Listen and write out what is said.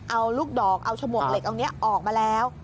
เอาลูกดอกเอาฉมวกเหล็กตรงนี้ออกมาแล้ว